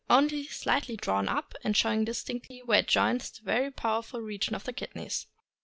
— Only slightly drawn up, and showing distinctly where it joins the very powerful region of the kidneys.